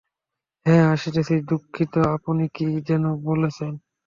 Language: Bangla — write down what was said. হ্যাঁঁ আসতেছি দুঃখিত আপনি কী যেনো বলতেছেন?